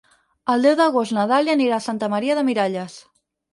El deu d'agost na Dàlia anirà a Santa Maria de Miralles.